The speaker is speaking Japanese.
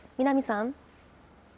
南さん。